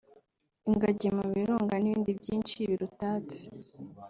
ingagi mu Birunga n’ibindi byinshi birutatse